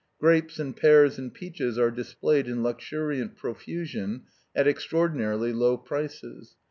Grapes and pears and peaches are displayed in luxuriant profusion, at extraordinarily low prices.